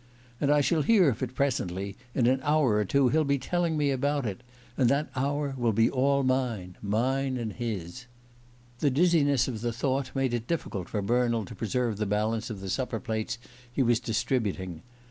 "And I shall hear of it presently; in an hour or two he'll be telling me about it. And that hour will be all mine mine and his!" The dizziness of the thought made it difficult for Bernald to preserve the balance of the supper plates he was distributing.